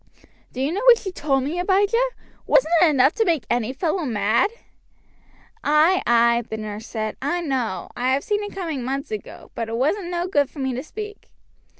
"Do you know what she told me, Abijah? Wasn't it enough to make any fellow mad?" "Ay, ay," the nurse said. "I know. I have seen it coming months ago; but it wasn't no good for me to speak.